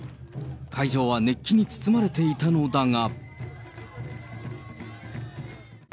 会場は熱気に包まれていたのだが。